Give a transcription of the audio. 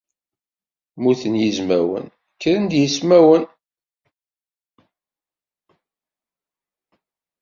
Mmuten yizmawen kkren-d ismawen!